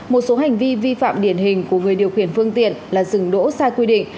một số hành vi vi phạm điển hình của người điều khiển phương tiện là dừng đỗ sai quy định